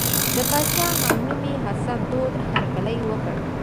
د پاچا همنومي حسن تود هرکلی وکړ.